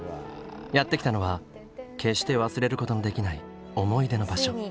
やって来たのは決して忘れることのできない思い出の場所。